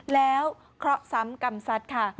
แล้วเคราะห์ซ้ำกรรมสัตว์ค่ะ